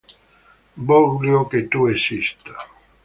Voglio che tu esista.